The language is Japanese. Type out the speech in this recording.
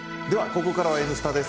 ここからは「Ｎスタ」です。